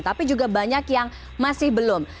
tapi juga banyak yang masih belum